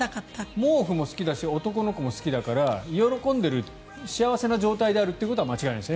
毛布も好きだし男の子も好きだから喜んでる幸せな状態であることは間違いないですね